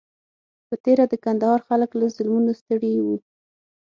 په تېره د کندهار خلک له ظلمونو ستړي وو.